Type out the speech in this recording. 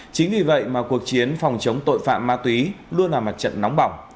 chính vì vậy mà cuộc chiến phòng chống tội phạm ma túy luôn là mặt trận nóng bỏng